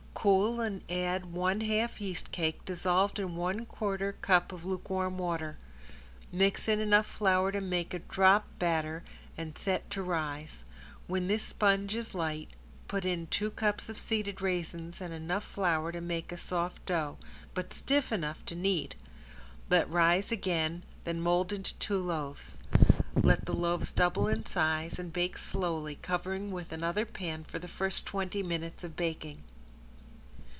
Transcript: Cool and add one half yeast cake, dissolved in one quarter cup of lukewarm water. Mix in enough flour to make a drop batter and set to rise. When this sponge is light put in two cups of seeded raisins and enough flour to make a soft dough, but stiff enough to knead. Let rise again, then mold into two loaves. Let the loaves double in size and bake slowly, covering with another pan for the first twenty minutes of baking.